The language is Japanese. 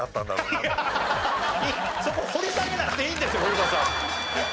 そこ掘り下げなくていいんですよ古田さん。